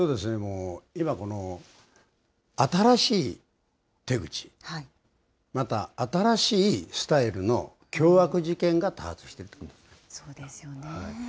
今この、新しい手口、また新しいスタイルの凶悪事件が多発しそうですね。